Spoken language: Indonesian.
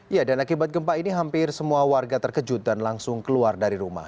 ya dan akibat gempa ini hampir semua warga terkejut dan langsung keluar dari rumah